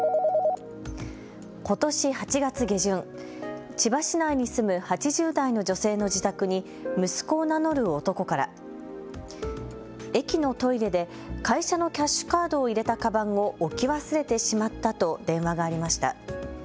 ことし８月下旬、千葉市内に住む８０代の女性の自宅に息子を名乗る男から駅のトイレで会社のキャッシュカードを入れたかばんを置き忘れてしまったと電話がありました。